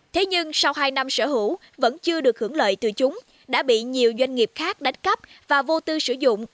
thế nhưng sau hai năm sở hữu vẫn chưa được hưởng lợi từ chúng đã bị nhiều doanh nghiệp khác đánh cắp và vô tư sử dụng